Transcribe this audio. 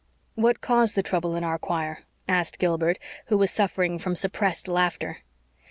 "What caused the trouble in our choir?" asked Gilbert, who was suffering from suppressed laughter.